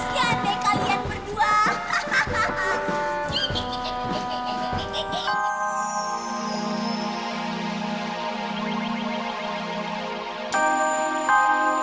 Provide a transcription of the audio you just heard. kasian dek kalian berdua